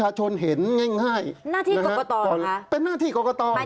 หน้าที่กรกตหรือคะหมายถึงว่าที่ต้องมาบอกค่ะเป็นหน้าที่กรกต